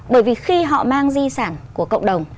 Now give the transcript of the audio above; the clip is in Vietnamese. bởi vì khi họ mang di sản của cộng đồng